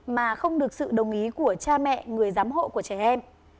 mà không được sự đồng ý của cha mẹ người giám hộ của trẻ em